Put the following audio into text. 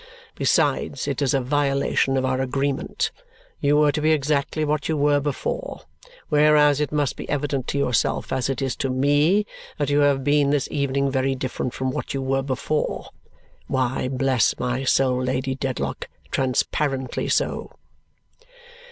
Besides, it is a violation of our agreement. You were to be exactly what you were before. Whereas, it must be evident to yourself, as it is to me, that you have been this evening very different from what you were before. Why, bless my soul, Lady Dedlock, transparently so!"